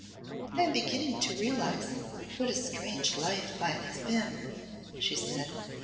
"I am beginning to realise what a strange life mine has been," she said.